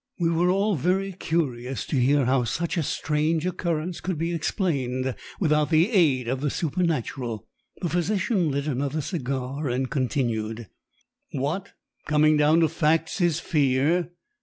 We were all very curious to hear how such a strange occurrence could be explained without the aid of the supernatural. The physician lit another cigar and continued: "What, coming down to facts, is fear?